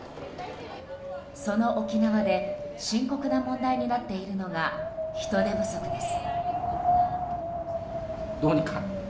その沖縄で深刻な問題になっているのが、人手不足です。